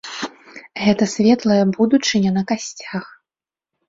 Гэта светлая будучыня на касцях.